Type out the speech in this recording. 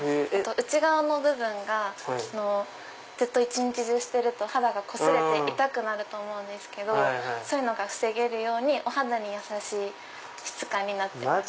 内側の部分が一日中してると肌がこすれて痛くなると思うんですけどそういうのが防げるようにお肌にやさしい質感になってます。